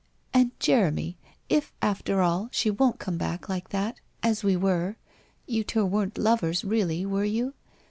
' And Jeremy, if after all, she won't come back like that — as we were — you two weren't lovers, really, were you